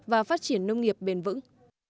và phát triển nông nghiệp bền vững